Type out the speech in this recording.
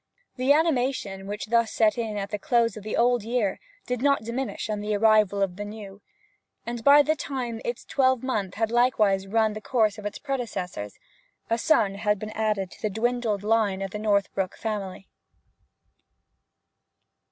The animation which set in thus at the close of the old year did not diminish on the arrival of the new; and by the time its twelve months had likewise run the course of its predecessors, a son had been added to the dwindled line of the Northbrook family.